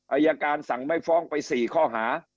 อายการสั่งไม่ฟ้องไป๔ข้อหา